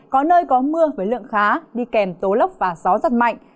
có nơi có mưa với lượng khá đi kèm tố lốc và gió giật mạnh